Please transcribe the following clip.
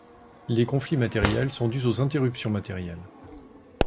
Les conflits matériels sont dus aux interruptions matérielles.